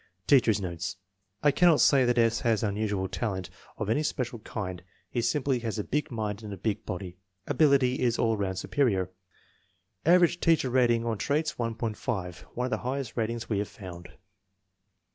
Teacher's notes. " I cannot say that S. has unusual talent of any special kind; he simply has a big mind in a big body. Ability is all round superior." Average teacher rating on traits, 1.5, one of the highest ratings we have found.